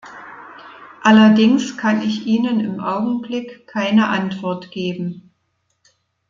Allerdings kann ich Ihnen im Augenblick keine Antwort geben.